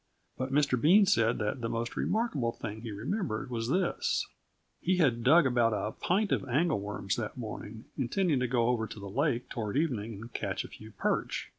But Mr. Bean said that the most remarkable thing he remembered was this: He had dug about a pint of angle worms that morning, intending to go over to the lake toward evening and catch a few perch.